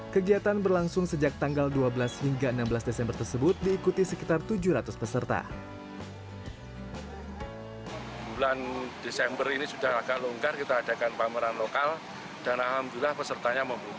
kegiatan berlangsung sejak tanggal dua belas hingga enam belas desember tersebut diikuti sekitar tujuh ratus peserta